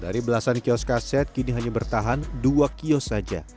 dari belasan kios kaset kini hanya bertahan dua kios saja